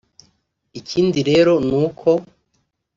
Ikindi rero ni uko